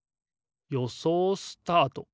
よそうスタート！